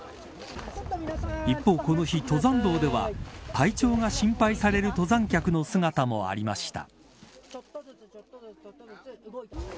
一方、この日登山道では体調が心配される登山客の姿もありました。